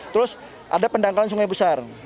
terus ada pendangkalan sungai besar